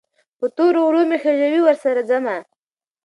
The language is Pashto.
په تورو غرو مې خېژوي، ورسره ځمه